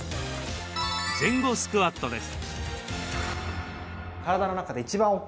前後スクワットです。